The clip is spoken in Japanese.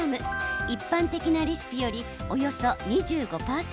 一般的なレシピより約２５％